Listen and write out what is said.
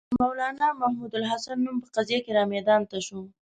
د مولنا محمودالحسن نوم په قضیه کې را میدان ته شو.